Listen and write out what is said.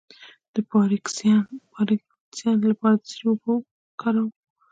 د پارکینسن لپاره د څه شي اوبه وکاروم؟